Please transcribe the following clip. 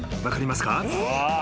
分かりますか？